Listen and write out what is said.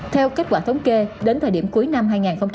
theo kết quả thống kê đến thời điểm cuối năm hai nghìn một mươi chín